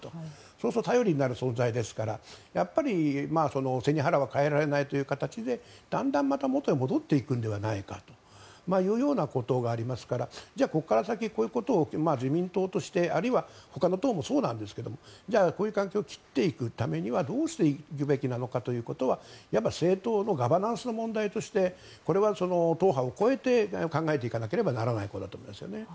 そうすると頼りになる存在ですから背に腹は代えられないという形でだんだん元に戻っていくのではないかということがありますからここから先、こういうことを自民党としてあるいはほかの党もそうなんですがこういう関係を切っていくためにはどうしていくべきなのかは政党のガバナンスの問題としてこれは党派を超えて考えていかなければならないことだと思いますよね。